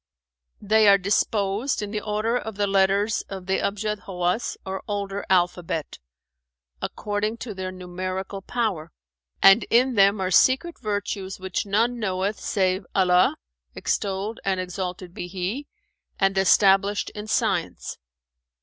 They are disposed in the order of the letters of the Abjad hawwaz or older alphabet,[FN#420] according to their numerical power, and in them are secret virtues which none knoweth save Allah (extolled and exalted be He!) and the stablished in science.